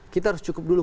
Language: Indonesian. kita harus cukup dulu